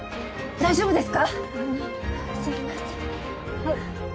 大丈夫ですか？